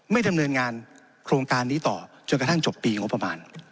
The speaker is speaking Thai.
ดำเนินงานโครงการนี้ต่อจนกระทั่งจบปีงบประมาณ